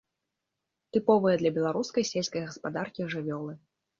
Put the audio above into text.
Тыповыя для беларускай сельскай гаспадаркі жывёлы.